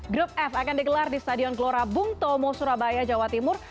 grup f akan digelar di stadion gelora bung tomo surabaya jawa timur